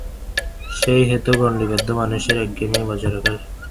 সেইহেতু গণ্ডীবদ্ধ মানুষের একঘেয়েমী বজায় রাখবার চেষ্টা সফল হয়নি।